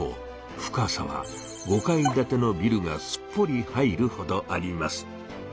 深さは５階建てのビルがすっぽり入るほどあります。